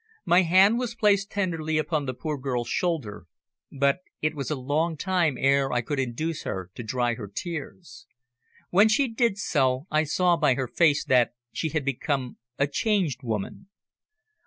My hand was placed tenderly upon the poor girl's shoulder, but it was a long time ere I could induce her to dry her tears. When she did so, I saw by her face that she had become a changed woman.